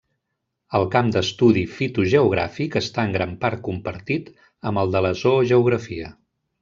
El camp d'estudi fitogeogràfic està en gran part compartit amb el de la zoogeografia.